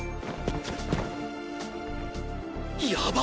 やば。